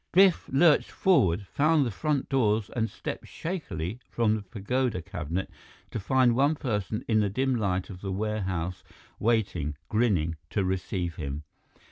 Biff lurched forward, found the front doors and stepped shakily from the pagoda cabinet to find one person in the dim light of the warehouse waiting, grinning, to receive him.